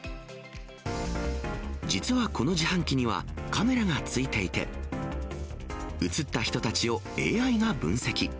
実はこの自販機にはカメラがついていて、写った人たちをＡＩが分析。